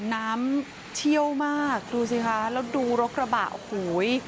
น้ำเที่ยวมากดูสิคะแล้วดูรถกระบะหูย